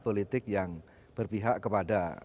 politik yang berpihak kepada